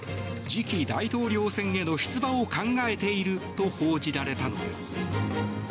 次期大統領選への出馬を考えていると報じられたのです。